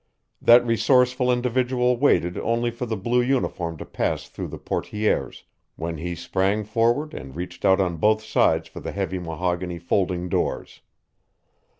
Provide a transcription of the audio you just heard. That resourceful individual waited only for the blue uniform to pass through the portières, when he sprang forward and reached out on both sides for the heavy mahogany folding doors.